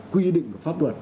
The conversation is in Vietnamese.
quy định pháp luật